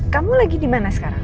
kamu lagi dimana sekarang